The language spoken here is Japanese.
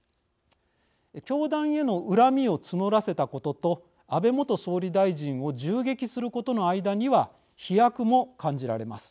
教団への恨みを募らせたことと安倍元総理大臣を銃撃することの間には飛躍も感じられます。